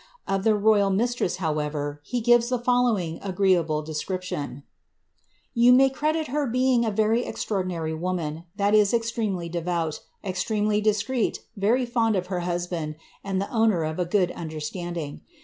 Of their royal mistress, however, he gives the following agreeable descrip ^:—You may credit her being a very extraordinary woman, that is fxiremely devout, extremely discreet, very fond of her husband, and the t*»ner of a good undersUinding.